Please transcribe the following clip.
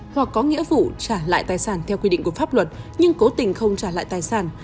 hoặc có nghĩa vụ trả lại tài sản theo quy định của pháp luật nhưng cố tình không trả lại tài sản